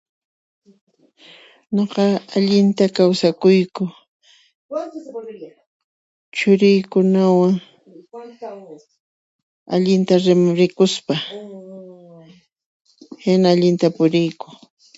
Ñuqa allinta kawsakuyku churiykunawan, allinta rimarikuspa hina allinta puriyku